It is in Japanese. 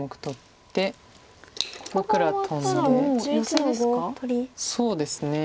そうですね。